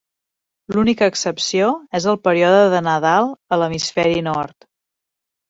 L'única excepció és el període de Nadal a l'hemisferi nord.